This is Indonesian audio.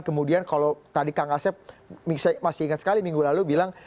kemudian kalau tadi kang asep masih ingat sekali minggu lalu bilang